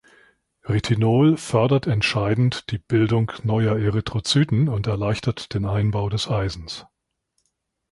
Retinol fördert entscheidend die Bildung neuer Erythrozyten und erleichtert den Einbau des Eisens.